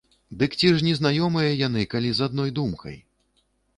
Дык ці ж незнаёмыя яны, калі з адною думкай!